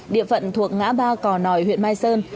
địa phận thuộc ngã ba cò nòi huyện mai sơn